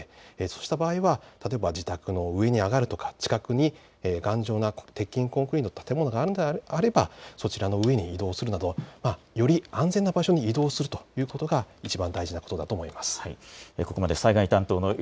そうした場合は自宅の上に上がるとか自宅に頑丈なコンクリートの建物があるのであればそちらの上に移動するなどより安全な場所に移動するということがいちばん大事なことだと思います。